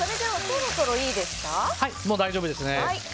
もう大丈夫ですね。